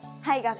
はい。